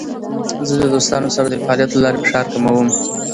زه د دوستانو سره د فعالیت له لارې فشار کموم.